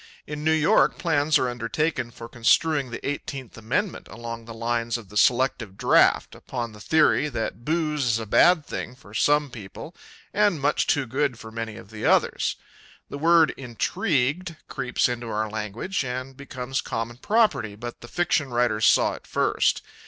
In New York plans are undertaken for construing the Eighteenth Amendment along the lines of the selective draft, upon the theory that booze is a bad thing for some people and much too good for many of the others. The word "intrigued" creeps into our language and becomes common property, but the fiction writers saw it first.